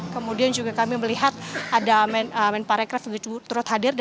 kemudian juga kami melihat ada menko marekref yang turut hadir